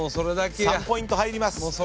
３ポイント入ります。